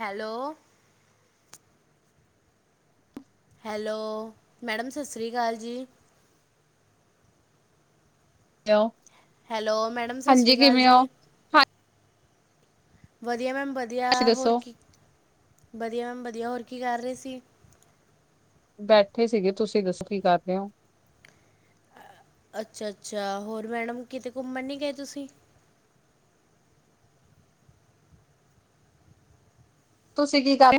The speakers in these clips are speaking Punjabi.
ਹੈਲੋ [inaudible] ਹੈਲੋ, ਮੈਡਮ ਸਸ੍ਰੀ ਅਕਾਲ ਜੀ ਲੋ ਹੈਲੋ ਮੈਡਮ ਸਸ੍ਰੀ ਅਕਾਲ ਜੀ, ਵਧੀਆ ਮੈਮ ਵਧ ਤੁਸੀਂ ਵਧੀਆ, ਹੋਰ ਦੱਸੋ ਕੀ, ਵਧੀਆ ਮੈਮ ਵਧੀਆ ਹੋਰ ਕੀ ਕਰ ਰਹੇ ਸੀ ਬੈਠੇ ਸੀਗੇ ਤੁਸੀਂ ਦੱਸੋ ਕੀ ਕਰਦੇ ਓ ਅ, ਅੱਛਾ- ਅੱਛਾ ਹੋਰ ਮੈਡਮ ਕਿਤੇ ਘੁੰਮਣ ਨੀ ਗਏ ਤੁਸੀਂ ਤੁਸੀਂ ਕੀ ਕਰ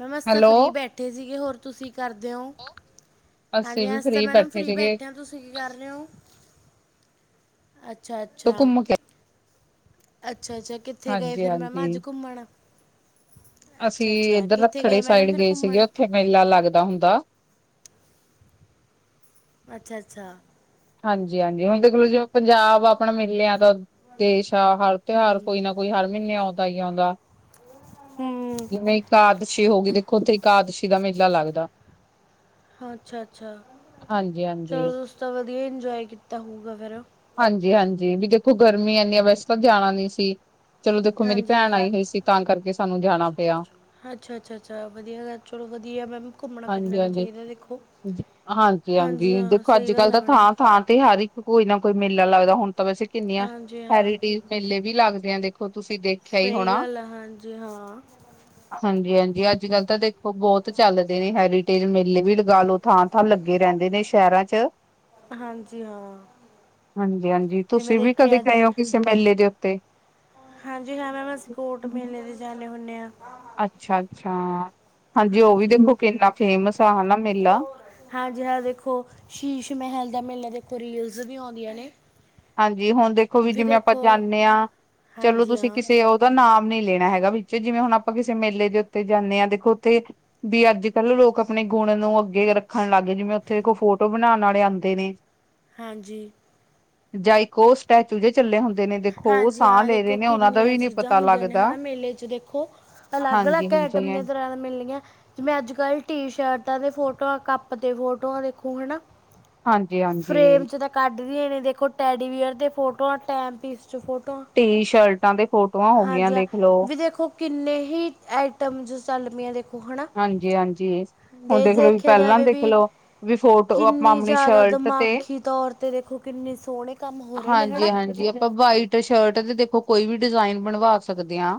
ਮੈਂ ਅਸੀ ਤਾਂ ਹੈਲੋ ਫ਼ਰੀ ਬੈਠੇ ਸੀਗੇ, ਹੋਰ ਤੁਸੀਂ ਕੀ ਕਰਦੇ ਓ ਹਾਂਜੀ ਅਸੀਂ ਤਾਂ ਮੈਡਮ ਫਰੀ ਬੈਠੇ ਤੁਸ ਤੁਸੀਂ ਕੀ ਕਰ ਰਹੇ ਓ, ਅੱਛਾ- ਤੂੰ ਅੱਛਾ ਘੁੰਮ ਕੇ ਅੱਛਾ- ਅੱਛਾ ਕਿੱਥੇ ਗਏ ਹਾਂਜੀ ਫੇਰ ਮੈਮ ਹਾਂਜੀ ਅੱਜ ਘੁੰਮਣ, ਅਸੀਂ ਅੱਛਾ- ਅੱਛਾ ਇੱਧਰ ਕਿੱਥੇ ਰੱਖੜੇ ਗਏ ਸਾਈਡ ਮੈਡਮ ਫੇਰ ਗਏ ਸੀਗੇ ਘੁੰਮਣ ਉੱਥੇ ਮੇਲਾ ਲੱਗਦਾ ਹੁੰਦਾ ਅੱਛਾ -ਅੱਛਾ ਹਾਂਜੀ- ਹਾਂਜੀ, ਹੁਣ ਦੇਖ ਲਓ ਜੋ ਪੰਜਾਬ ਆਪਣਾ ਮੇਲਿਆਂ ਦਾ ਦੇਸ਼ ਆ, ਹਰ ਤਿਉਹਾਰ ਕੋਈ ਨਾ ਕੋਈ ਹਰ ਮਹੀਨੇ ਆਉਂਦਾ ਹੀ ਆਉਂਦਾ ਹਮ ਜਿਵੇਂ ਇਕਾਦਸ਼ੀ ਹੋ ਗਈ, ਦੇਖੋ ਉੱਥੇ ਇਕਾਦਸ਼ੀ ਦਾ ਮੇਲਾ ਲੱਗਦਾ ਹਾਂ ਅੱਛਾ- ਅੱਛਾ, ਹਾਂਜੀ ਹਾਂਜੀ ਚਲੋ ਤੁਸੀ ਤਾਂ ਵਧੀਆ ਇੰਜੋਏ ਕੀਤਾ ਹੋਊਗਾ ਫੇਰ ਹਾਂਜੀ- ਹਾਂਜੀ ਵੀ ਦੇਖੋ ਗਰਮੀ ਐਨੀਆ, ਵੈਸੇ ਤਾਂ ਜਾਣਾ ਨੀ ਸੀ ਚਲੋ ਦੇਖੋ ਮੇਰੀ ਹਾਂਜੀ ਭੈਣ ਹਾਂ ਆਈ ਹੋਈ ਸੀ ਤਾਂ ਕਰਕੇ ਸਾਨੂੰ ਜਾਣਾ ਪਿਆ ਅੱਛਾ- ਅੱਛਾ- ਅੱਛਾ ਵਧੀਆ, ਚਲੋ ਵਧੀਆ ਮੈਮ ਘੁੰਮਣਾ ਫਿਰਨਾ ਵੀ ਚਾਹੀਦਾ ਦੇਖੋ ਹਾਂਜੀ ਹਾਂਜੀ ਹਾਂ ਦੇਖੋ ਅੱਜ- ਸਹੀ ਗੱਲ ਕੱਲ ਹੈ ਤਾਂ ਮੈਡਮ ਥਾਂ- ਥਾਂ ਤੇ ਹਰ ਕੋਈ ਨਾ ਕੋਈ ਮੇਲਾ ਲੱਗਦਾ ਹੁਣ ਤਾਂ ਵੈਸੇ ਕਿੰਨੀਆਂ ਹਾਂਜੀ ਹਾਂ ਹੈਰੀਟੇਜ ਮੇਲੇ ਵੀ ਲੱਗਦੇ ਆ ਦੇਖ ਉਹ ਤੁਸੀਂ ਦੇਖਿਆ ਈ ਸਹੀ ਹੋਣਾ। ਗੱਲ ਆ ਹਾਂਜੀ ਹਾਂ ਹਾਂਜੀ ਹਾਂਜੀ ਅੱਜ- ਕੱਲ੍ਹ ਤਾਂ ਦੇਖੋ ਬਹੁਤ ਚੱਲਦੇ ਨੇ ਹੈਰੀਟੇਜ ਮੇਲੇ ਵੀ ਲਗਾ ਲਓ। ਥਾਂ ਥਾਂ ਲੱਗੇ ਰਹਿੰਦੇ ਨੇ ਸ਼ਹਿਰਾਂ ਚ ਹਾਂਜੀ ਹਾਂ ਹਾਂਜੀ ਹਾਂਜੀ ਜਿਵੇਂ ਤੁਸੀਂ ਵੀ ਦੇਖਿਆ ਕਦੇ ਅੱਜ ਗਏ ਹੋ ਕਿਸੇ ਮੇਲੇ ਦੇ ਉੱਤੇ ਹਾਂਜੀ ਹਾਂ ਮੈਮ ਅਸੀਂ ਕੋੋਟ ਮੇਲੇ ਦੇ ਜਾਂਦੇ ਹੁੰਦੇ ਹਾਂ। ਅੱਛਾ ਅੱਛਾ, ਹਾਂਜੀ ਉਹ ਵੀ ਦੇ ਬੁ ਇੰਨਾ ਫੇਮਸ ਆ ਹਨਾ ਮੇਲਾ ਹਾਂਜੀ ਹਾਂ ਦੇਖੋ ਸ਼ੀਸ਼ ਮਹਿਲ ਦਾ ਮੇਲੇ ਦੇਖੋ ਰੀਲਸ ਵੀ ਆਉਂਦੀਆਂ ਨੇ ਹਾਂਜੀ ਹੁਣ ਦੇਖੋ ਵੀ ਜਿਵੇਂ ਆਪਾਂ ਜਾਂਨੇ ਆ, ਚਲੋ ਹਾਂਜੀ ਤੁਸੀਂ ਹਾਂ ਕਿਸੇ ਉਹਦਾ ਨਾਮ ਨੀ ਲੈਣਾ ਹੈਗਾ ਵੀ ਜਿਵੇਂ ਹੁਣ ਆਪਾਂ ਕਿਸੇ ਮੇਲੇ ਦੇ ਉੱਤੇ ਜਾਂਨੇ ਆ ਦੇਖੋ ਉੱਥੇ ਵੀ ਅੱਜ- ਕੱਲ ਲੋਕ ਆਪਣੇ ਗੁਣ ਨੂੰ ਅੱਗੇ ਰੱਖਣ ਲੱਗ ਗਏ, ਜਿਵੇਂ ਉੱਥੇ ਕੋਈ ਫੋਟੋ ਬਣਾਉਣ ਵਾਲੇ ਆਂਦੇ ਨੇ ਹਾਂਜੀ ਜਾਈ ਕੋੋਸਟ ਹਾਂਜੀ ਹਾਂ ਲੈ ਦੇਖੋ ਰਹੇ ਨੇ ਉਹਨਾਂ ਦਾ ਕਿੰਨੀਆਂ ਵੀ ਨੀ ਚੀਜ਼ਾਂ ਪਤਾ ਹੁੰਦੀਆਂ ਨੇ ਲੱਗਦਾ। ਹਨਾ ਮੇਲੇ ਚ ਦੇਖੋ ਅਲੱਗ- ਅਲੱਗ ਆਈਟਮਆਂ ਹਾਂਜੀ-ਹਾਂਜੀ, ਦਰ ਮਿਲਣੀਆਂ, ਜਿਵੇਂ ਅੱਜ- ਕੱਲ ਟੀ ਸ਼ਰਟਾਂ ਦੇ ਫੋਟੋਆਂ ਕੱਪ ਦੇ ਫੋਟੋਆਂ ਦੇਖੋ ਹਨਾ ਫਰੇਮ ਹਾਂਜੀ-ਹਾਂਜੀ ਚ ਤਾਂ ਕੱਢਦੀਆਂ ਨੇ ਦੇਖੋ ਟੈਡੀਵਅਰ ਦੇ ਫੋਟੋਆਂ ਟੈਮਪੀਸ ਫੋਟੋਆਂ ਟੀ ਸ਼ਰਟਾਂ ਤੇ ਫੋਟੋਆਂ ਹੋ ਗਈਆਂ ਹਾਂਜੀ ਹ ਦੇਖਲੋ। ਵੀ ਦੇਖੋ ਕਿੰਨੇ ਹੀ ਆਈਟਮ ਜ ਸਲਮੀਆਂ ਦੇ ਹਾਂਜੀ ਹਾਂਜੀ ਹੁਣ ਦੇਖਲੋ ਵੀ ਦੇਖਿਆ ਪਹਿਲਾਂ ਜਾਵੇ ਵੀ ਦੇਖਲਓ, ਵੀ ਫੋਟੋ ਆਪਾਂ ਕਿੰਨੀ ਆਪਣੀ ਜ਼ਿਆਦਾ ਸ਼ਰਟ ਤੇ ਦਿਮਾਗੀ ਤੌਰ ਤੇ ਦੇਖੋ ਕਿੰਨੇ ਸੋਹਣੇ ਕੰਮ ਹੋ ਰਹੇ ਨੇ ਹਾਂਜੀ ਹਨਾ ਹਾਂਜੀ ਆਪਾਂ ਵਾਈਟ ਸ਼ਰਟ ਦੇ ਦੇਖੋ ਕੋਈ ਵੀ ਡਿਜ਼ਾਇਨ ਬਣਵਾ ਸਕਦੇ ਆ।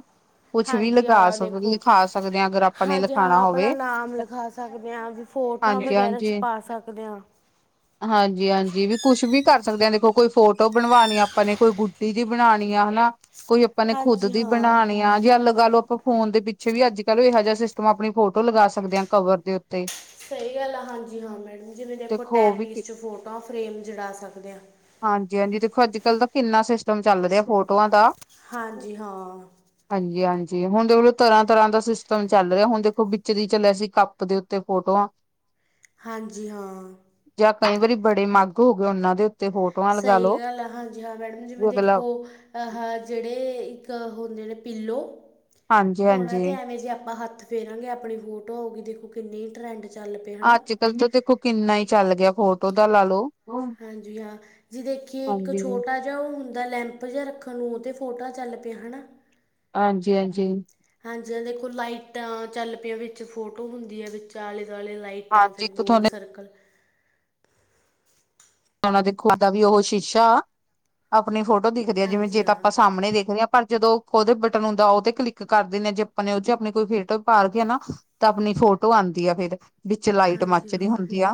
ਕੁਛ ਵੀ ਹਾਂਜੀ ਲਗਾ ਸਕ, ਲਿਖਾ ਸਕਦੇ ਆ ਅਗਰ ਆਪਣੇ ਜਾਂ ਆਪਣਾ ਨਾਮ ਲਿਖਾ ਸਕਦੇ ਆ ਵੀ ਫੋਟਾਂ ਹਾਂਜੀ ਵਗੈਰਾ ਹਾਂਜੀ ਛਪਾ ਸਕਦੇ ਆ। ਹਾਂਜੀ ਹਾਂਜੀ ਵੀ ਕੁਛ ਵੀ ਕਰ ਸਕਦੇ ਆ, ਦੇਖੋ ਕੋਈ ਫੋਟੋ ਬਣਵਾਉਣੀ ਆਪਾਂ ਨੇ ਕੋਈ ਗੁ ਤੀ ਜੇ ਬਨਾਣੀਆ ਹਨਾ ਕੋਈ ਆਪਾਂ ਨੇ ਖੁਦ ਹਾਂਜੀ ਦੀ ਹਾਂ। ਬਣਾਣੀ ਆ ਜੇ ਅ ਲਗਾ ਲਓ। ਆਪਾਂ ਫੋਨ ਦੇ ਪਿੱਛੇ ਵੀ ਅੱਜ- ਕੱਲ੍ਹ ਇਹੋ ਜਿਹਾ ਸ ਤ ਆਪਣੀ ਫੋਟੋ ਲਗਾ ਸਕਦੇ ਆ ਕਵਰ ਦੇ ਉੱਤੇ ਸਹੀ ਗੱਲ ਆ ਹਾਂਜੀ ਹਾਂ ਮੈਡਮ ਜਿਵੇਂ ਦੇਖੋ ਉਹ ਟਾਈਮ- ਪੀਸ ਵੀ 'ਚ ਫੋਟੋਆਂ ਫਰੇਮ ਜੜਾ ਸਕਦੇ ਆ। ਹਾਂਜੀ ਹਾਂਜੀ ਦੇਖੋ ਅੱਜ- ਕੱਲ ਤਾਂ ਕਿੰਨਾ ਸਿਸਟਮ ਚੱਲ ਰਿਹਾ ਫੋਟੋਆਂ ਦਾ ਹਾਂਜੀ ਹਾਂ ਹਾਂਜੀ ਹਾਂਜੀ ਹੁਣ ਦੇਖਲੋ ਤਰ੍ਹਾਂ- ਤਰ੍ਹਾਂ ਦਾ ਸਿਸਟਮ ਚੱਲ ਰਿਹਾ, ਹੁਣ ਦੇਖੋ ਵਿਚਰੀ ਚੱਲਿਆ ਸੀ ਕੱਪ ਦੇ ਉੱਤੇ ਫੋਟੋਆਂ ਹਾਂਜੀ ਹਾਂ ਜਾਂ ਕਈ ਵਾਰੀ ਬੜੇ ਮੱਗ ਹੋ ਗਏ ਉਹਨਾਂ ਦੇ ਉੱਤੇ ਫੋਟੋਆਂ ਲਗਾ ਸਹੀ ਲੋ ਗੱਲ ਆ ਹਾਂਜੀ ਹਾਂ ਮੈਡਮ ਜਿਵੇਂ ਅਗਲਾ ਦੇਖੋ ਜਿਹੜੇ ਇੱਕ ਹੁੰਦੇ ਨੇ ਪਿੱਲੋ, ਉਹਨਾਂ ਹਾਂਜੀ-ਹਾਂਜੀ ਤਾਂ ਐਵੇਂ ਜੇ ਆਪਾਂ ਹੱਥ ਫੇਰਾਂਗੇ, ਆਪਣੀ ਫੋਟੋ ਹੋ ਗਈ ਦੇਖੋ ਕਿੰਨਨੀ ਈ ਟਰੈਂਡ ਚੱਲ ਪਏ ਹਨਾ ਅੱਜ-ਕੱਲ੍ਹ ਤਾਂ ਦੇਖੋ ਕਿੰਨਾ ਈ ਚੱਲ ਗਿਆ ਫੋਟੋ ਦਾ ਲਾ ਲਓ। ਹਾਂਜੀ ਹਾਂ, ਜੇ ਦੇਖੀਏ ਇੱਕ ਹਾਂਜੀ, ਛੋਟਾ ਉਹ ਹੁੰਦਾ ਲੈਂਪ ਜਿਹਾ ਰੱਖਣ ਨੂੰ ਉਹ ਤੇ ਫੋਟਾਂ ਚੱਲ ਪਿਆ ਹਨਾ ਹਾਂਜੀ ਹਾਂਜੀ ਹਾਂਜੀ-ਹਾਂ ਐ ਦੇਖੋ ਲਾਈਟਾਂ ਚੱਲ ਪਈ ਵਿੱਚ ਫੋਟੋ ਹੁੰਦੀ ਐ ਵਿੱਚ ਆਲੇ ਦੁਆਲੇ ਲਾਈ ਹਾਂਜੀ ਤਾਂ ਹਾਂਜੀ ਫਿਰ ਇੱਕ ਗੋਲ ਥੋਨੇ ਸਰਕਲ ਨਾਂ-ਨਾਂ ਦੇਖੋ ਏਦਾ ਵੀ ਓਹ ਸ਼ੀਸ਼ਾ ਅਪਨੀ ਫੋਟੋ ਦੇਖਦੇ ਆ ਜਿਵੇਂ ਹਾਂਜੀ ਜੇ ਤਾਂ ਹਾਂ ਆਪਾਂ ਸਾਮਣੇ ਦੇਖਦੇ ਆ ਪਰ ਜਦੋਂ ਓਦੇ ਬਟਨ ਹੁੰਦਾ ਓ ਤੇ ਕਲਿੱਕ ਕਰਦੇ ਨੇ ਜੇ ਅਪਨੇ ਓਏ ਚ ਅਪਨੇ ਕੋਈ ਫੇਟ ਪਾਰ ਕੇ ਏਨਾ ਤਾਂ ਅਪਨੀ ਫੋਟੋ ਆਂਦੀ ਐ ਫੇਰ। ਵਿੱਚ ਲਾਈਟ ਹਾਂਜੀ ਮਚ ਦੀ ਹਾਂ ਹੁੰਦੀ ਆ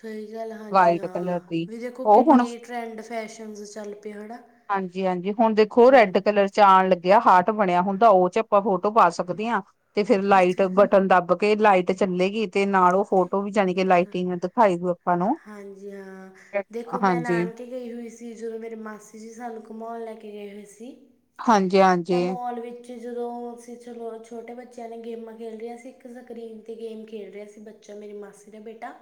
ਸਹੀ ਗੱਲ ਹਾਂਜੀ ਵਾਈਟ ਹਾਂ ਕਲਰ ਵੀ ਦੇਖੋ ਓ ਹੁਣ ਕਿੰਨੇ ਟਰੈਂਡ ਫੈਸ਼ਨਸ ਚੱਲ ਪਏ ਹਨਾ ਹਾਂਜੀ-ਹਾਂਜੀ ਹੁਣ ਦੇਖੋ ਰੈਡ ਕ ਲਰ ਚ ਆਣ ਲੱਗਿਆ ਹਾਠ ਬਣਿਆ ਹੁੰਦਾ ਓ ਚ ਆਪਾਂ ਫੋਟੋ ਪਾ ਸਕਦੇ ਆਂ। ਤੇ ਫੇਰ ਲਾਈਟ ਬਟਨ ਦੱਬ ਕੇ ਲਾਈਟ ਚੱਲੇਗੀ। ਤੇ ਨਾਲ ਓ ਫੋਟੋ ਵੀ ਜਾਨੀ ਕਿ ਅੱਛਾ ਅੱਛਾ ਲਾਈਟਿੰਗ ਦਿਖਾਈ ਦਊ ਆਪਾਂ ਨੂੰ। ਹਾਂਜੀ ਹਾਂ, ਦੇਖੋ ਮੈਂ ਹਾਂਜੀ ਨਾਨਕੇ ਗਈ ਹੋਈ ਸੀ ਜਦੋਂ ਮੇਰੇ ਮਾਸੀ ਜੀ ਸਾਨੂੰ ਘਮਉਣ ਲੈ ਕੇ ਗਏ ਹੋਏ ਸੀ‌। ਹਾਂਜੀ ਤਾਂ ਹਾਂਜੀ ਮੋਲ ਵਿੱਚ ਤੇ ਜਦੋਂ ਅਸੀਂ ਚਲੋ ਛੋਟੇ ਬੱਚਿਆਂ ਨੇ ਗੇਮਾਂ ਖੇਡ ਰਿਆਂ ਸੀਂ ਇੱਕ ਸਕਰੀਨ ਤੇ ਗੇਮ ਖੇਡ ਰਏ ਸੀ। ਬੱਚਾ ਮੇਰੀ ਮਾਸੀ ਦਾ ਬੇਟਾ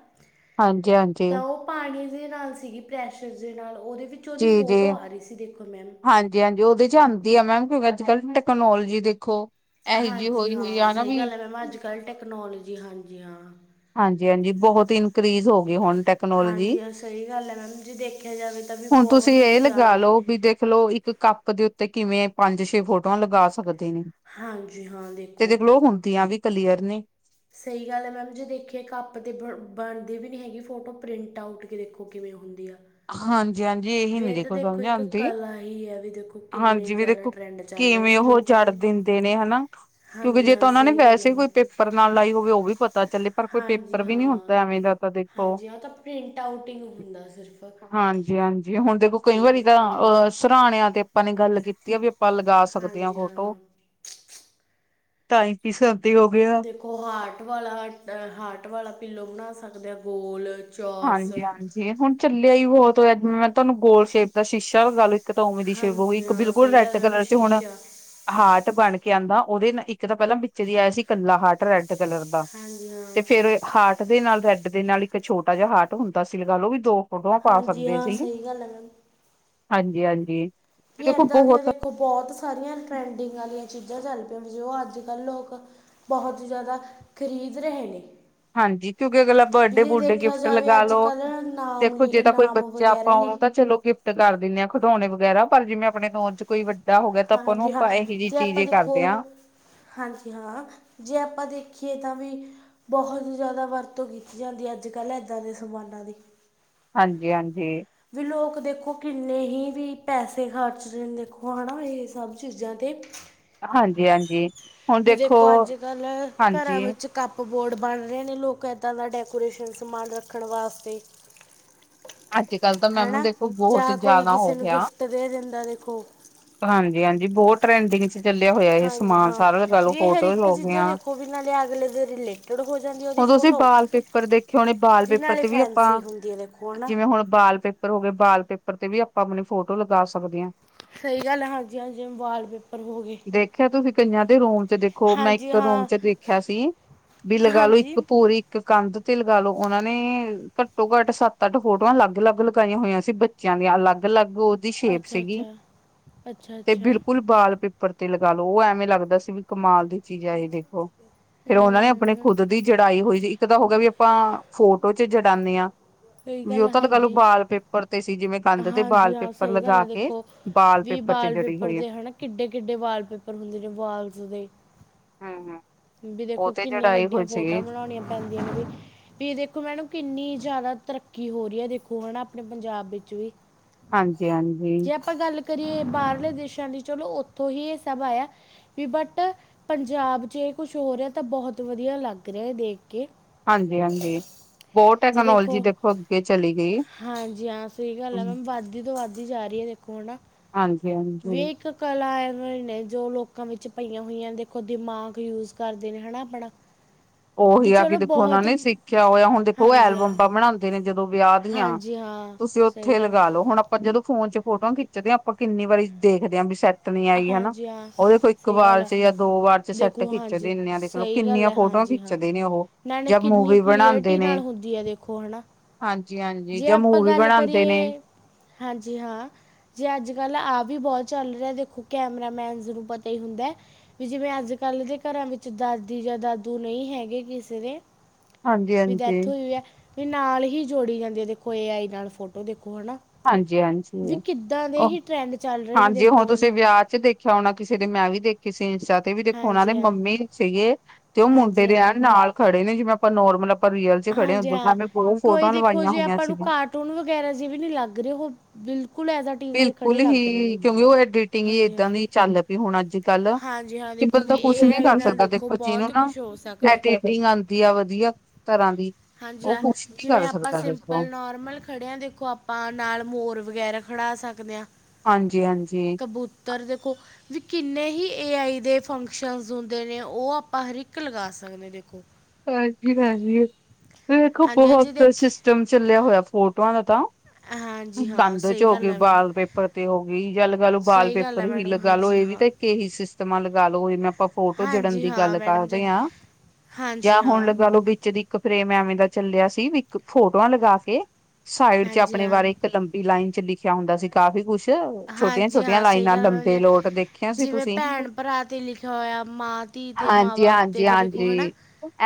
ਹਾਂਜੀ-ਹਾਂ। ਤਾਂ ਓ ਪਾਣੀ ਦੇ ਨਾਲ ਸੀਗੀ ਪ੍ਰੈਸ਼ਰ ਦੇ ਨਾਲ ਓਦੇ ਵਿੱਚ ਉਹਦੀ ਜੀ-ਜੀ ਫੋਟੋ ਆ ਰਹੀ ਸੀ ਦੇਖੋ ਮੈਮ ਹਾਂ। ਜੀ ਹਾਂਜੀ ਓਦੇ ਚ ਆਂਦੀ ਐ ਮੈਮ ਕਿਉਂਕਿ ਆੱਜ-ਕੱਲ ਟੈਕਨੋਲੋਜੀ ਦੇਖੋ ਇਹੋ ਜਿਹੀ ਹਾਂਜੀ ਹੋਈ ਹੋਈ ਹਾਂ, ਆ ਨਾ ਸਈ ਵੀ ਗੱਲ ਐ ਮੈਮ ਆੱਜ-ਕੱਲ ਟੈਕਨੋਲੋਜੀ ਹਾਂਜੀ ਹਾਂ। ਹਾਂਜੀ-ਹਾਂਜੀ ਬੋਹਤ ਇਨਕਰੀਜ਼ ਹੋ ਗਈ ਹੁਣ ਟੈਕਨੋਲੋਜੀ, ਹਾਂਜੀ ਹਾਂ ਸਹੀ ਗੱਲ ਹੈ ਮੈਮ ਜੇ ਦੇਖਿਆ ਜਾਵੇ ਤਾਂ ਵੀ ਹੁਣ ਬਹੁਤ ਤੁਸੀਂ ਏ ਲਗਾ ਜ਼ਿਆਦਾ ਲਓ ਵੀ ਦੇਖਲਓ ਇੱਕ ਕੱ ਪ ਦੇ ਉੱਤੇ ਕਿਵੇਂ ਪੰਜ-ਛੇ ਫੋਟੋਆਂ ਲਗਾ ਸਕਦੇ ਨੇ। ਹਾਂਜੀ ਹਾਂ ਤੇ ਦੇਖੋ ਦੇਖ ਲੋਂ ਹੁੰਦੀਆਂ ਵੀ ਕਲੀਅਰ ਨੇ। ਸਈ ਗੱਲ ਐ ਮੈਮ ਜੇ ਦੇਖੀਏ ਕੱਪ ਤੇ ਬ ਬਣਦੀ ਵੀ ਨੀ ਹੈਗੀ ਫੋਟੋ ਪ੍ਰਿੰਟ ਆਊਟ ਕੇ ਵੇਖੋ ਕਿਵੇਂ ਹੁੰਦੀ ਆ। ਹਾਂਜੀ-ਹਾਂਜੀ ਏਹੀ ਵੀ ਨੀ ਇਹ ਤਾਂ ਦੇਖੋ ਸਮਝ ਇੱਕ ਆਂਦੀ, ਕਲਾ ਹੀ ਹੈ ਵੀ ਦੇਖੋ ਕਿੰਨੇ ਹਾਂਜੀ ਵੀ ਜ਼ਿਆਦਾ ਦੇਖੋ ਟਰੈਂਡ ਚੱਲ ਰਹੇ ਨੇ ਕਿਵੇਂ ਵੀ ਓ ਲੋਕਾਂ ਚੜ੍ਹ ਦੇ ਦਿੰਦੇ ਨੇ ਹੈਨਾ ਕਿਉਂਕਿ ਹਾਂਜੀ ਜੇ ਹਾਂ ਤਾਂ ਓਨਾਂ ਨੇ ਸਹੀ ਗੱਲ ਹੈ ਵੈਸੇ ਮੈਮ ਕੋਈ ਪੇਪਰ ਨਾਲ ਲਾਈ ਹੋਵੇ ਓ ਵੀ ਪਤਾ ਚੱਲੇ ਪਰ ਕੋਈ ਹਾਂਜੀ ਪੇਪਰ ਵੀ ਨੀ ਹਾਂ ਹੁੰਦਾ ਐਵੇਂ ਦਾ ਤਾਂ ਦੇਖ ਹਾਂਜੀ ਓ ਤਾਂ ਪ੍ਰਿੰਟ ਆਊਟ ਈ ਹੁੰਦਾ ਸਿਰਫ। ਹਾਂਜੀ-ਹਾਂਜੀ ਹੁਣ ਦੇਖੋ ਕਈ ਠੀਕ ਵਾਰੀ ਹੈ ਤਾਂ ਅ ਸਰਾਣਿਆਂ ਤੇ ਆਪਾਂ ਨੇ ਗੱਲ ਕੀ ਤੀ ਤੇ ਵੀ ਆਪਾਂ ਲਗਾ ਸਕਦੇ ਆ ਹਾਂਜੀ ਫੋਟੋ। ਹਾਂ ਤਾਈ ਪੀ ਸਦੇ ਹੋ ਗਏ ਆ। ਓ ਹਾਰਟ ਵਾਲਾ ਅ ਹਾਰਟ ਵਾਲਾ ਪਿੱਲੋ ਬਣਾ ਸਕਦੇ ਆ ਗੋਲ ਚੌਰਸ ਹਾਂਜੀ-ਹਾਂਜੀ, ਹੁਣ ਚੱਲਿਆ ਈ ਬੋਤ ਹੋਇਆ ਜਿਵੇ ਮੈਂ ਤੁਆਨੂੰ ਗੋਲ ਸ਼ੇਪ ਦਾ ਸ਼ੀਸ਼ਾ ਲਗਾ ਲੋ ਇੱਕ ਦਾ ਓਵੇਂ ਦੀ ਸ਼ੇਵ ਹੋਗੀ, ਹਾਂਜੀ ਇੱਕ ਹਾਂ ਬਿਲਕੁਲ ਸਹੀ ਰੈੱਡ ਗੱਲ ਹੈ ਮੈਮ ਕਲਰ ਚ ਹੁਣ ਸ਼ੀਸ਼ਾ ਹਾੱਟ ਬਣ ਕੇ ਆਂਦਾ ਓਦੇ ਨਾ ਇੱਕ ਤਾਂ ਪੈਲਾਂ ਵਿੱਚ ਦੀ ਆਇਆ ਸੀ ਕੱਲਾ ਹਾਰਟ ਰੈਡ ਕਲਰ ਦਾ ਹਾਂਜੀ ਹਾਂ ਤੇ ਫੇਰ ਹਾਰਟ ਦੇ ਨਾਲ ਰੈਡ ਦੇ ਨਾਲ ਇੱਕ ਛੋਟ ਟਾ ਜ ਹਾਰਟ ਹੁੰਦਾ ਸੀ ਲਗਾਲੋ ਓਵੀ ਦੋ ਫੋਟੋਆਂ ਪਾ ਹਾਂਜੀ ਸਕਦੇ ਹਾਂ ਸੀ। ਸਹੀ ਗੱਲ ਹੈ ਮੈਮ ਹਾਂਜੀ-ਹਾਂਜੀ। ਕੀ ਇੱਦਾਂ ਦੀਆਂ ਦੇਖੋ ਬੋਤ ਸਾਰੀਆਂ ਟਰੈਂਡਿੰਗ ਆਲੀਆਂ ਚੀਜ਼ਾਂ ਚੱਲ ਪਈਆਂ ਵੀ ਜੋ ਆੱਜ-ਕੱਲ ਲੋਕ ਬੋਹਤ ਈ ਜੈਦਾ ਖਰੀਦ ਰਹੇ ਨੇ। ਹਾਂਜੀ ਕਿਉਂਕਿ ਅਗਲਾ ਵੀ ਬਰਡੇ ਜੇ ਬੂਡੇ ਦੇਖਿਆ ਗਿਫਟ ਜਾਵੇ ਲਗਾ ਅੱਜ ਲਓ ਕੱਲ੍ਹ ਨਾਮ ਦੇਖੋ ਲਿ ਜੇ ਤਾਂ ਕੋਈ ਨਾਮ ਬੱਚੇ ਵਗੈਰਾ ਅਪਾ ਓਨੂੰ ਲਿਖ ਤਾਂ ਚਲੋ ਗਿਫਟ ਕਰ ਦਿੰਨੇ ਆ ਖਿਡੌਣੇ ਵਗੈਰਾ ਪਰ ਜਿਵੇਂ ਅਪਨੇ ਨੌਨ ਚ ਕੋਈ ਵੱ ਗਾ ਹੋਗਿਆ ਤਾਂ ਆਪਾਂ ਉਹ ਨੂੰ ਹਾਂਜੀ ਹਾਂ ਆਪਾਂ ਇਹੋ ਜਿਹੀ ਜੇ ਚੀਜ਼ ਆਪਾਂ ਇਹ ਦੇਖੋ ਕਰਦੇ ਹਾਂ। ਹਾਂਜੀ ਹਾਂ, ਜੇ ਆਪਾਂ ਦੇਖੀਏ ਤਾਂ ਵੀ ਬਹੁਤ ਜ਼ਿਆਦਾ ਵਰਤੋਂ ਕੀਤੀ ਜਾਂਦੀ ਹੈ, ਅੱਜ-ਕੱਲ੍ਹ ਏਦਾਂ ਦੇ ਸਮਾਨਾਂ ਦੀ। ਹਾਂਜੀ-ਹਾਂਜੀ। ਵੀ ਲੋਕ ਦੇਖੋ ਕਿੰਨੇ ਹੀ ਵੀ ਪੈਸੇ ਖਰਚ ਰੇ ਨੇ ਦੇਖੋ, ਹੈਨਾ? ਏ ਸਭ ਚੀਜ਼ਾਂ ਤੇ। ਹਾਂਜੀ-ਹਾਂਜੀ। ਵੀ ਦੇਖੋ ਅੱਜ-ਕੱਲ੍ਹ ਘਰਾਂ ਵਿੱਚ ਕੱਪ-ਬੋਰਡ ਬਣ ਰੇ ਨੇ, ਲੂਕ ਏਦਾਂ ਦਾ ਡੈਕੋਰੇਸ਼ਨ ਸਮਾਨ ਰੱਖਣ ਵਾਸਤੇ। ਅੱਜ ਕੱਲ ਤਾਂ ਮੈਮ ਹਨਾ, ਦੇਖੋ ਬਹੁਤ ਜਾਂ ਕੋਈ ਜ਼ਿਆਦਾ ਕਿਸੇ ਹੋ ਨੂੰ ਗਿਫਟ ਦੇ ਦਿੰਦਾ, ਦੇਖੋ! ਹਾਂਜੀ-ਹਾਂਜੀ ਬੌਤ ਟਰੈਂਡਿੰਗ 'ਚ ਚੱਲਿਆ ਹੋਇਆ ਐ ਹਾਂਜੀ ਸਮਾਨ ਹਾਂ ਸਾਰਾ ਲਗਾਲੋ, ਵੀ ਇਹ ਹਰ ਫੋਟੋਜ਼ ਇੱਕ ਹੋ ਗੀ ਚੀਜ਼ਾਂ ਆਂ। ਦੇਖੋ ਵੀ ਨਾਲੇ ਅਗਲੇ ਦੇ ਰਿਲੇਟਡ ਹੋ ਜਾਂਦੀ ਉਹਦੀ ਓਦੋ ਅਸੀਂ ਫੋਟੋ ਬਾਲ ਪੇਪਰ ਦੇਖੇ ਹੋਣੇ, ਬਾਲ ਪੇਪਰ ਨਾਲੇ 'ਤੇ ਵੀ ਫੈਂਸੀ ਅਪਾਂ ਹੁੰਦੀ ਹੈ ਦੇਖੋ ਹੈ ਨਾ ਜਿਵੇਂ ਹੁਣ ਬਾਲ ਪੇ ਪਰ ਹੋ ਗਏ, ਵਾਲਪੇਪਰ ਤੇ ਵੀ ਆਪਾਂ ਆਪਣੀ ਫੋਟੋ ਲਗਾ ਸਕਦੇ ਆਂ। ਸਹੀ ਗੱਲ ਐ, ਹਾਂਜੀ-ਹਾਂਜੀ ਜਿਵੇਂ ਵਾਲਪੇਪਰ ਹੋ ਗੇ। ਦੇਖਿਆ ਤੁਸੀਂ ਕਈਆਂ ਦੇ ਰੂਮ ਤੇ ਦੇਖੋ, ਮੈਂ ਹਾਂਜੀ ਇੱਕ ਰੂਮ ਹਾਂ 'ਚ ਦੇਖਿਆ ਸੀ ਵੀ ਲਗਾ ਲੋ ਹਾਂਜੀ ਇੱਕ ਪੂਰੀ ਕੰਧ ਤੇ ਲਗਾਲੋ, ਓਨਾਂ ਨੇ ਘੱਟੋ-ਘੱਟ ਸੱਤ-ਅੱਠ ਫੋਟੋਆਂ ਅਲੱਗ-ਅਲੱਗ ਲਗਾਈਆਂ ਹੋਈਆਂ ਸੀ ਬੱਚਿਆਂ ਦੀ, ਅਲੱਗ-ਅਲੱਗ ਓਦੀ ਸ਼ੇਪ ਅੱਛਾ ਸੀਗੀ। ਅੱਛਾ ਅੱਛਾ ਤੇ ਅੱਛਾ ਬਿਲਕੁਲ ਵਾਲਪੇਪਰ 'ਤੇ ਲਗਾ ਲੋ, ਓ ਐਵੇਂ ਲੱਗਦਾ ਸੀ ਵੀ ਕਮਾਲ ਦੀ ਚੀਜ਼ ਆ ਐ ਦੇਖੋ, ਫੇਰ ਓਨਾਂ ਨੇ ਆਪਣੇ ਹੂੰ ਖੁੱਦ ਦੀ ਜੜਾਈ ਹੋਈ ਸੀ, ਇੱਕ ਤਾਂ ਹੋ ਗਿਆ ਵੀ ਆਪਾਂ ਫੋਟੋ 'ਚ ਜੜਾਨੇ ਆਂ, ਸਹੀ ਵੀ ਗੱਲ ਓਤੋਂ ਲਗਾਲੋ ਹਾਂਜੀ ਵਾਲਪੇਪਰ ਪਰਤੇ ਸੀ, ਜਿਵੇਂ ਕੰਧ ਤੇ ਹਾਂਜੀ ਹਾਂ ਵਾਲਪੇਪਰ ਸਹੀ ਗੱਲ ਲਗਾ ਹੈ ਕੇ ਦੇਖੋ ਵਾਲ ਵੀ ਪੇਪਰ ਚ ਜੜੀ ਵਾਲਪੇਪਰ ਹੋਈ 'ਤੇ, ਹਨਾ ਕਿੱਡੇ-ਕਿੱਡੇ ਵਾਲਪੇਪਰ ਹੁੰਦੇ ਨੇ ਵਾਲਸ ਦੇ। ਹਮ-ਹਮ। ਵੀ ਦੇਖੋ ਕਿੰਨੀਆਂ ਵੱਡੀਆਂ ਫੋਟੋਆ ਬਣਾਣੀਆਂ ਪੈਂਦੀਆਂ ਵੀ ਵੀ ਦੇਖੋ ਮੈਡਮ, ਕਿੰਨੀ ਜਾਦਾ ਤਰੱਕੀ ਹੋ ਰੀ ਐ, ਦੇਖੋ ਹਨਾ ਆਪਣੇ ਪੰਜਾਬ ਵਿੱਚ ਵੀ। ਹਾਂਜੀ-ਹਾਂਜੀ, ਜੇ ਆਪਾਂ ਗੱਲ ਕਰੀਏ ਬਾਰਲੇ ਦੇਸ਼ਾਂ ਦੀ, ਚਲੋ ਉੱਥੋਂ ਈ ਐ ਸਭ ਆਇਆ। ਵੀ ਬਟ ਪੰਜਾਬ 'ਚ ਐ ਕੁਛ ਹੋ ਰਿਆ ਤਾਂ ਬਹੁਤ ਵਧੀਆ ਲੱਗ ਰਿਆ ਐ ਦੇਖ ਕੇ। ਹਾਂਜੀ-ਹਾਂਜੀ। ਬਹੁਤ ਜੀ ਦੇਖੋ ਟੈਕਨੋਲੋਜੀ ਅੱਗੇ ਚਲੀ ਗਈ। ਹਾਂਜੀ, ਹਾਂ ਸਈ ਗੱਲ ਐ ਮੈਮ, ਵੱਧ ਤੋਂ ਵੱਧ ਵੱਧੀ ਜਾ ਰਈ ਐ, ਦੇਖੋ ਹਨਾ? ਹਾਂਜੀ-ਹਾਂਜੀ। ਵੇਖ ਕਲਾ ਐਵੇਂ ਨੇ ਜੋ ਲੋਕਾਂ ਵਿੱਚ ਪਈਆਂ ਹੋਈਆਂ ਨੇ, ਦੇਖੋ ਦਿਮਾਗ ਯੂਜ਼ ਕਰਦੇ ਨੇ ਹੈ ਨਾ ਆਪਣਾ। [inaudible] ਓਹੀ ਆ ਕਿ ਚਲੋ ਦੇਖੋ ਓਨਾਂ ਬਹੁਤ ਨੇ ਸਿੱਖਿਆ ਹੋਇਆ, ਹੁਣ ਦੇਖੋ ਹਾਂਜੀ ਹਾਂ ਐਲਬਮਬਾਂ ਬਣਾਂਦੇ ਨੇ ਜਦੋਂ ਵਿਆਹ ਦੀਆਂ, ਹਾਂਜੀ ਹਾਂ ਤੁਸੀਂ ਸਹੀ ਓਥੇ ਗੱਲ ਲਗਾ ਲੋ, ਹੁਣ ਆਪਾਂ ਜਦੋਂ ਫੋਨ 'ਚ ਫੋਟੋਆਂ ਖਿੱਚਦੇ ਆਂ, ਆਪਾਂ ਕਿੰਨੀ ਵਾਰੀ ਦੇਖਦੇ ਆਂ ਵੀ ਸੈ ਟ ਨੀ ਹੈ ਆਈ, ਹਨਾ ਹਾਂਜੀ ਹਾਂ ਓਦੇ ਕੋਲ ਇੱਕ ਸਹੀ ਗੱਲ ਵਾਰ ਹੈ 'ਚ ਜਾਂ ਦੋ ਵਾਰ 'ਚ ਸੈੱਟ ਦੇਖੋ ਖਿੱਚ ਹਾਂਜੀ ਦੇਨੇ ਆ, ਦੇਖਲੋ ਸਹੀ ਗੱਲ ਕਿੰਨੀਆਂ ਹੈ ਫੋਟੋਆਂ ਖਿ ਹਾਂਜੀ ਹਾਂ ਖਿੱਚਦੇ ਨੇ ਓਹੋ, ਨਾਲੇ ਜਾਂ ਕਿੰਨੀ ਮੂਵੀ ਬਨਾਣਦੇ ਕਲੀਅਰਟੀ ਨਾਲ ਨੇ। ਹੁੰਦੀ ਹੈ ਦੇਖੋ ਹੈ ਨਾ ਹਾਂਜੀ-ਹਾਂਜੀ, ਜੇ ਜਾਂ ਆਪਾਂ ਮੂੰਵੀ ਗੱਲ ਬਨਾਣਦੇ ਨੇ। ਕਰੀਏ ਹਾਂਜੀ ਹਾਂ। ਜੀ ਅੱਜ-ਕੱਲ੍ਹ ਆ ਵੀ ਬੋਤ ਚੱਲ ਰਿਆ, ਦੇਖੋ ਕੈਮਰਾਮੈਨਜ਼ ਨੂੰ ਪਤਾ ਈ ਹੁੰਦੈ। ਵੀ ਜਿਵੇਂ ਅੱਜ-ਕੱਲ੍ਹ ਦੇ ਘਰਾਂ ਵਿੱਚ ਦਾਦੀ ਜਾਂ ਦਾਦੂ ਨਈ ਹੈਗੇ ਕਿਸੇ ਦੇ ਵੀ ਹਾਂਜੀ-ਹਾਂਜੀ, ਡੈਥ ਹੋਈ-ਹੋਈ ਐ, ਵੀ ਨਾਲ ਹੀ ਜੋੜੀ ਜਾਂਦੀ ਐ, ਦੇਖੋ ਏ ਆਈ ਨਾਲ ਫੋਟੋ, ਦੇਖੋ ਹਨਾ। ਹਾਂਜੀ-ਹਾਂਜੀ, ਐ ਓਹ, ਟਰੈਂਡ ਚੱਲ ਰਹੇ ਨੇ ਹਾਂਜੀ ਹੁਣ ਦੇਖੋ ਹੈ ਤੁਸੀ ਨਾ ਵੇਆ 'ਚ ਦੇਖ ਖਿਆਓ ਨਾ ਕਿਸੇ ਦੇ ਮੈਂ ਵੀ ਦੇਖੀ ਸੀ ਇੰਸਟਾ ਤੇ ਵੀ ਦੇਖੋ ਓਨਾ ਦੇ ਹਾਂਜੀ ਹਾਂ ਮੰਮੀ ਸੀਗੇ, ਤੇ ਓ ਮੁੰਡੇ ਹਾਂਜੀ ਦੇ ਹਾਂ ਐਨ ਨਾਲ ਖੜੇ ਨੇ ਜਿਵੇਂ ਆਪਾ ਨੋਰਮਲ ਪਰ ਰੀਅਲ ਚ ਖੜੇ ਹਾਂਜੀ ਹਾਂ ਹੁੰਦੇ ਬੋ ਫੋਟੋਆਂ ਲਵਾਈਆਂ ਹੋਈਆਂ ਸੀਗੀਆਂ। [unintelligible] ਕੈ ਰਿਆ ਵੀ ਨੀ ਲੱਗ ਰੇ ਔ ਬਿਲਕੁਲ ਐਜ਼ ਟੀਜ਼ ਖੜੇ ਬਿਲਕੁਲ ਲੱਗ ਰਹੇ ਨੇ ਹੀ ਕਿਉਂਕਿ ਓ ਐਡੀਟਿੰਗ ਈ ਹਾਂਜੀ ਹਾਂ ਏਦਾਂ ਦੀ ਚੱਲ ਪੀ ਹੁਣ ਅੱਜ ਕੱਲ, ਹਾਂਜੀ ਹਾਂ ਕਿ ਦੇਖੋ ਬੰਦਾ ਕੁੱਛ ਏ ਵੀ ਆਈ ਕਰ ਨਾਲ ਸਕਦਾ ਦੇਖੋ ਜਿਨੂੰ ਬਹੁਤ ਨਾ ਕੁਛ ਹੋ ਸਕਦਾ ਐਡਿਟ ਟਿੰਗ ਆਂਦੀ ਆ ਵਧੀਆ ਤਰ੍ਹਾਂ ਦੀ। ਹਾਂਜੀ ਉਹ ਐ ਕੁਛ ਵੀ ਜਿਵੇਂ ਕਰ ਆਪਾਂ ਸਕਦਾ ਦੇਖੋ ਸਿਪਲ ਨੋਰਮਲ ਖੜੇ ਆ ਦੇਖੋ ਆਪਾ ਨਾਲ ਮੋਰ ਵਗੈਰਾ ਖੜਾ ਸਕਦੇ ਆ। ਹਾਂਜੀ-ਹਾਂਜੀ। ਕਬੂਤਰ ਦੇਖੋ ਵੀ ਕਿੰਨੇ ਹੀ ਏ ਆਈ ਦੇ ਫੰਕਸ਼ਨਸ ਹੁੰਦੇ ਨੇ ਓ ਆਪਾ ਹਰ ਇੱਕ ਲਗਾ ਸਕਦੇ ਆ ਦੇਖੋ। ਹਾਂਜੀ ਪੈਂਜੀ, ਵੇਖੋ ਹਾਂਜੀ ਹਾਂਜੀ ਬਹੁਤ ਦੇਖ ਸਿਸਟਮ ਚੱਲਿਆ ਹੋਇਆ ਫੋਟੋਆਂ ਦਾ ਤਾਂ ਹਾਂਜੀ ਹਾਂ ਦੰਦ ਚ ਸਹੀ ਹੋਗੇ ਗੱਲ ਹੈ ਮੈਮ ਵਾਲ ਪੇਪਰ ਤੇ ਔ ਵੀ ਜਾ ਲਗਾ ਲੋ ਬਾਲ ਸਹੀ ਗੱਲ ਪੇਪਰ ਹੈ ਹੀ ਮੈਡਮ ਲਗਾਲੋ, ਹਾਂਜੀ ਏਵੀ ਹਾਂ ਤਾ ਇਕ ਇਹੀ ਸਿਸਟਮਾਂ ਲਗਾਲੋ ਓਹੀ ਮੈਂ ਆਪਾ ਫੋਟੋ ਜੜਨ ਹਾਂਜੀ ਦੀ ਹਾਂ ਗੱਲ ਮੈਡਮ ਕਰ ਜੀ ਰੇ ਆ। ਹਾਂਜੀ ਜਾਂ ਹੁਣ ਹਾਂ ਲਗਾ ਲਓ ਵਿੱਚ ਦੀ ਇੱਕ ਫਰੇਮ ਐਵੇਂ ਦਾ ਚੱਲਿਆ ਸੀ ਵੀ ਇੱਕ ਫੋਟੋਆਂ ਲਗਾ ਕੇ ਸਾਈਡ ਚ ਹਾਂਜੀ ਆਪਣੇ ਹਾਂ ਵਾਰੇ ਇੱਕ ਲੰਬੀ ਲਾਈਨ ਚ ਲਿਖ ਕੇ ਆਉਂਦਾ ਸੀ ਕਾਫ਼ੀ ਕੁਛ ਹਾਂਜੀ ਛੋਟੀਆਂ-ਛੋਟੀਆਂ ਹਾਂ ਲਾਈਨਾਂ ਲੰਬੇ ਲੋਟ ਦੇਖਿਆ ਸੀ ਤੁਸੀ। ਭੈਣ-ਭਰਾ ਤੇ ਲਿਖਿਆ ਹੋਇਆ, ਮਾਂ-ਧੀ ਤੇ ਮਾਂ-ਬਾਪ ਤੇ ਵੀ ਦੇਖੋ ਹਨਾ।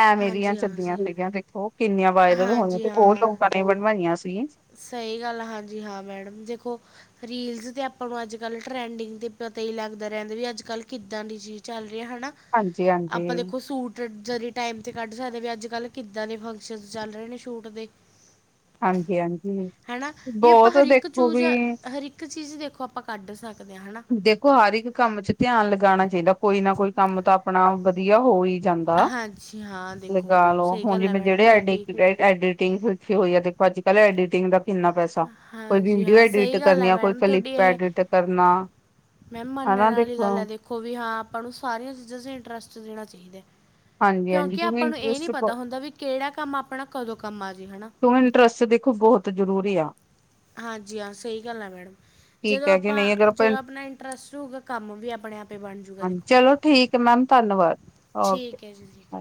ਐਵੇ ਦੀਆਂ ਚਲੀਆ ਸੀਗੀਆਂ ਦੇਖੋ ਕਿੰਨੀਆਂ ਵਾਇਰਲ ਹੋਈਆਂ ਤੇ ਹੋਰ ਲੋਕਾਂ ਨੇ ਬਣਵਾਈਆਂ ਸੀ। ਸਈ ਗੱਲ ਐ ਹਾਂਜੀ ਹਾਂ ਮੈਡਮ ਦੇਖੋ ਰੀਲਸ ਤੇ ਆਪਾਂ ਨੂੰ ਅੱਜ-ਕੱਲ ਟਰੈਂਡਿੰਗ ਦੀ ਪਤਾ ਈ ਲਾਗਦਾ ਰੈਂਦੇ ਵੀ ਅੱਜ-ਕੱਲ੍ਹ ਕਿਦਾਂ ਦੀ ਚੀਜ਼ ਚਲ ਰੀ ਐ ਹਨਾ। ਹਾਂਜੀ ਹਾਂਜੀ ਆਪਾ ਦੇਖੋ ਸੂਟ ਤੇ ਜਰੀ ਟਾਈਮ ਤੇ ਕੱਢ ਸਕਦੇ ਵੀ ਅੱਜ-ਕੱਲ੍ਹ ਕਿਦਾਂ ਦੇ ਫੰਕਸ਼ਨ ਚਲ ਰੇ ਨੇ ਸ਼ੂਟ ਦੇ। ਹਾਂਜੀ-ਹਾਂਜੀ ਹਨਾ ਵੀ ਆਪਾ ਹਰ ਇਕ ਚੂਜ਼ ਹਰ ਇਕ ਚੀਜ਼ ਦੇਖੋ ਆਪਾਂ ਕੱਢ ਸਕਦੇ ਆ ਹਨਾ। ਦੇਖੋ ਹਰ ਇਕ ਕੰਮ ਚ ਧਿਆਨ ਲਗਾਣਾ ਚਾਈਦਾ ਕੋਈ ਨਾ ਕੋਈ ਕੰਮ ਤਾਂ ਆਪਣਾ ਵਧੀਆ ਹੋਈ ਜਾਂਦਾ, ਹਾਂਜੀ ਹਾਂ ਦੇਖੋ ਲਗਾ ਲੋ ਸਹੀ ਹੁਣ ਗੱਲ ਹੈ ਜਿਵੇਂ ਮੈਡਮ ਜੇੜੇ ਆਡੇ ਤੁਹਾਡੀ ਐਡੀਟਿੰਗ ਰੱਖੀ ਹੋਈ ਐ ਦੇਖੋ ਅੱਜ-ਕੱਲ੍ਹ ਐਡੀਟਿੰਗ ਦਾ ਕਿੰਨਾ ਪੈਸਾ, ਕੋਈ ਹਾਂਜੀ ਵੀਡੀਓ ਹਾਂ ਐਡਿਟ ਸਹੀ ਗੱਲ ਕਰਨੀ ਹੈ ਆਂ, ਕੋਈ ਮੈਡਮ ਤੁਹਾਡੀ ਕਲਿੱਪ ਇਹ ਐਡਿਟ ਕਰਨਾ ਮੈਮ ਮੰਨਣ ਹਨਾ ਆਲੀ ਦੇਖੋ ਗੱਲ ਐ ਦੇਖੋ ਵੀ ਹਾਂ ਆਪਾਂ ਨੂੰ ਸਾਰੀਆਂ ਚੀਜ਼ਾਂ ਚ ਇੰਟਰਸਟ ਦੇਣਾ ਚਾਈਦਾ। ਹਾਂਜੀ ਹਾਂਜੀ ਕਿਉਂਕਿ ਆਪਾਂ ਨੂੰ ਏ ਨੀ ਇੰਟਰਸਟ ਪਤਾ ਕਿਉਂਕਿ ਹੁੰਦਾ ਵੀ ਕੇੜਾ ਕੰਮ ਆਪਣਾ ਕਦੋਂ ਕੰਮ ਆਜੇ ਹਨਾ। ਕਿਉ ਇੰਟਰਸਟ ਦੇਖੋ ਬੋਹਤ ਜ਼ਰੂਰੀ ਆ। ਹਾਂਜੀ ਹਾਂ ਸਈ ਗੱਲ ਆ ਮੈਂਡਮ। ਠੀਕ ਜਦੋਂ ਹੈ ਕਿ ਆਪਾ ਨਹੀਂ ਅਗਰ ਆਪਾਂ ਜਦੋਂ ਆਪਣਾ ਇੰਟਰਸਟ ਹੋਉਗਾ ਕੰਮ ਵੀ ਆਪਣੇ ਆਪੇ ਈ ਬਣ ਜੁਗਾ ਦੇਖੋ। ਚਲੋ ਠੀਕ ਐ ਮੈਮ ਧੰਨਵਾਦ ਠੀਕ ਹੈ ਜੀ ਜੀ ਓਕੇ।